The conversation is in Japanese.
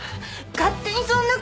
勝手にそんな事！